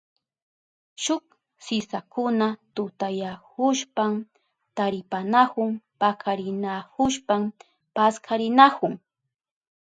Shuk sisakuna tutayahushpan taparinahun pakarihushpan paskarinahun.